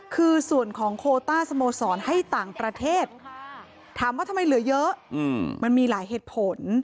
คือส่วนของโคต้าสโมสรให้ต่างประเทศถามว่าทำไมเหลือเยอะมันมีหลายเหตุผล